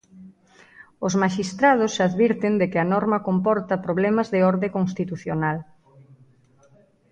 Os maxistrados advirten de que a norma comporta problemas de orde constitucional.